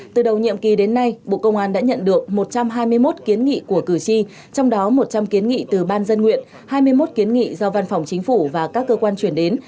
từ đầu nhiệm kỳ đến nay bộ công an đã nhận được một trăm hai mươi một kiến nghị của cử tri trong đó một trăm linh kiến nghị từ ban dân nguyện hai mươi một kiến nghị do văn phòng chính phủ và các cơ quan chuyển đến